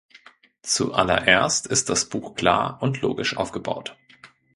Zuallererst ist das Buch klar und logisch aufgebaut.